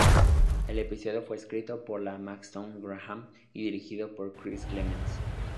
El episodio fue escrito por Ian Maxtone-Graham y dirigido por Chris Clements.